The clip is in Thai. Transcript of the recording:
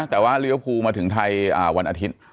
แต่ว่าเลี้ยวภูมาถึงไทยวันอาทิตย์